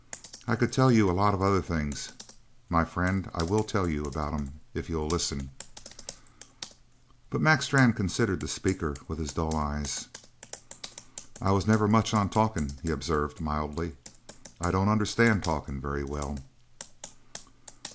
I could tell you a lot of other things. My friend, I will tell you about 'em if you'll listen." But Mac Strann considered the speaker with his dull eyes. "I never was much on talkin'," he observed mildly. "I don't understand talkin' very well."